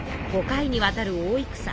５回にわたる大戦。